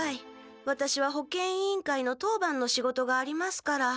ワタシは保健委員会の当番の仕事がありますから。